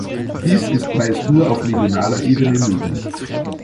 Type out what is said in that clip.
Dies ist meist nur auf regionaler Ebene möglich.